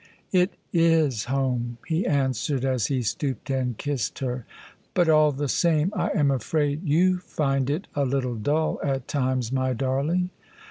" It is home," he answered as he stooped and kissed her: " but all the same I am afraid you find it a little dull at times, my darling."